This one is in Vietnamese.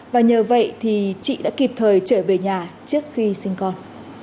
và nhờ vậy thì chị đã kịp thời trở về nhà trước khi sinh con